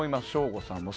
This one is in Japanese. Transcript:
省吾さんも。